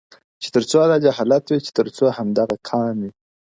چي تر څو دا جهالت وي چي تر څو همدغه قام وي -